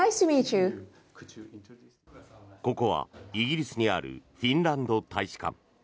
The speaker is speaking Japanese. ここはイギリスにあるフィンランド大使館。